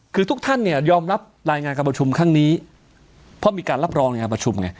คือทุกท่านเนี่ยยอมรับรายงานการประชุมครั้งนี้เพราะมีการรับรองในงานประชุมไง